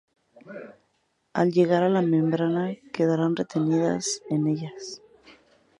Al llegar a la membrana, quedarán retenidas en ella.